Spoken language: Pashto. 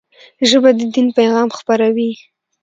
ژبه د دین پيغام خپروي